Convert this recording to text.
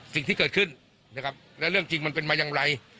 สิ่งที่เกิดขึ้นนะเรื่องจริงมันเป็นอย่างไร